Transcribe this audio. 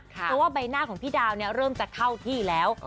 เพราะว่าใบหน้าของพี่ดาวเริ่มจะเข้าที่แล้ว